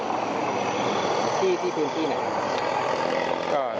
ที่พื้นที่ไหน